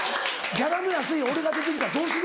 ギャラの安い俺が出て来たらどうする？